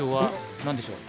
な何でしょうか。